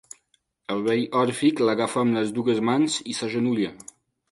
El vell òrfic l'agafa amb les dues mans i s'agenolla.